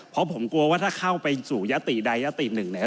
เพราะผมกลัวว่าถ้าเข้าไปสู่ยติใดยติหนึ่งเนี่ย